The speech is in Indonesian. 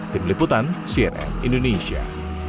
tim liputan cnn indonesia